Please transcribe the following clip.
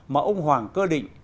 mà ông hoàng cơ định